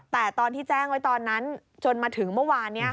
แต่ตอนที่แจ้งไว้ตอนนั้นจนมาถึงเมื่อวานนี้